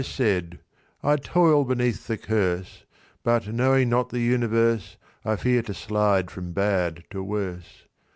I said, "I toil beneath the curse, But, knowing not the universe, I fear to slide from bad to worse.